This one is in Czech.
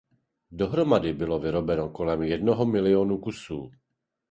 Dohromady bylo vyrobeno kolem jednoho milionu kusů.